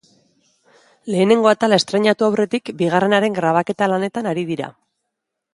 Lehenengo atala estreinatu aurretik, bigarrenaren grabaketa lanetan ari dira.